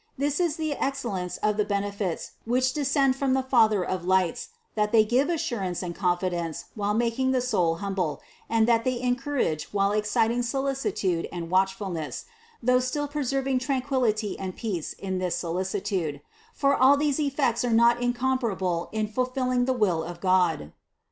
This is the ex cellence of the benefits which descend from the Father of lights, that they give assurance and confidence while mak ing the soul humble, and that they encourage while excit ing solicitude and watchfulness, though still preserving tranquillity and peace in this solicitude; for all these ef fects are not incompatible in fulfilling the will of God.